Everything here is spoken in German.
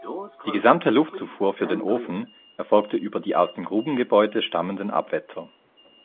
Die gesamte Luftzufuhr für den Ofen erfolgte über die aus dem Grubengebäude stammenden Abwetter.